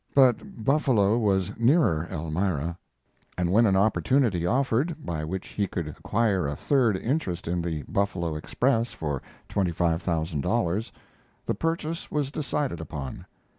But Buffalo was nearer Elmira, and when an opportunity offered, by which he could acquire a third interest in the Buffalo Express for $25,000, the purchase was decided upon.